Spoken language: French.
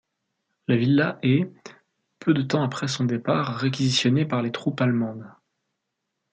La villa est, peu de temps après son départ, réquisitionnée par les troupes allemandes.